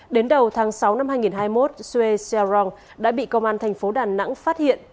đến đầu tháng sáu năm hai nghìn hai mươi một xuê xe rong đã bị công an thành phố đà nẵng phát hiện